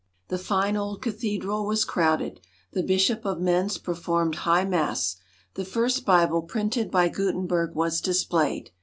The fine old Cathedral was crowded; the Bishop of Mentz performed High Mass; the first Bible printed by Gutenberg was displayed.